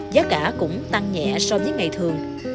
giá cả cũng tăng nhẹ so với ngày thường